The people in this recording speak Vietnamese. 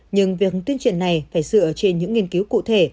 nhưng việc tuyên truyền này phải dựa trên những nghiên cứu cụ thể